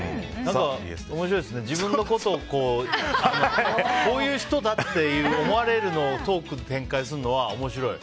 面白いですね、自分のことをこういう人だって思われるてるトークを展開するのは面白い。